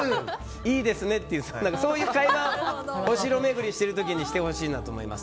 いいですねっていうそういう会話をお城巡りをしている時にしてほしいなと思います。